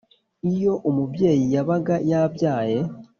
iyo umubyeyi yabaga yabyaye,